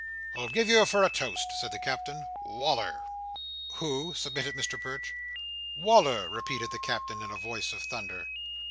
"I'll give you for a toast," said the Captain, "Wal"r!" "Who?" submitted Mr Perch. "Wal"r!" repeated the Captain, in a voice of thunder.